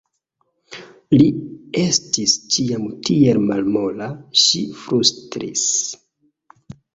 Li estis ĉiam tiel malmola, ŝi flustris.